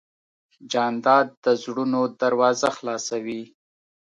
جانداد د زړونو دروازه خلاصوي.